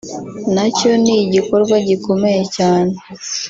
nacyo ni igikorwa gikomeye cyane